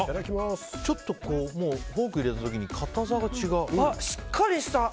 ちょっとフォーク入れた時に硬さが違う。